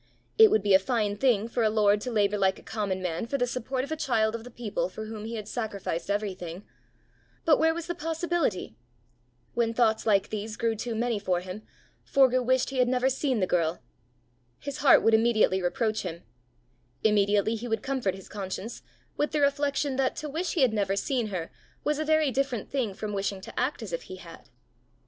It would be a fine thing for a lord to labour like a common man for the support of a child of the people for whom he had sacrificed everything; but where was the possibility? When thoughts like these grew too many for him, Forgue wished he had never seen the girl. His heart would immediately reproach him; immediately he would comfort his conscience with the reflection that to wish he had never seen her was a very different thing from wishing to act as if he had.